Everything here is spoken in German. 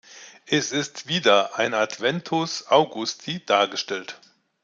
Es ist wieder ein Adventus Augusti dargestellt.